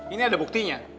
ini ada buktinya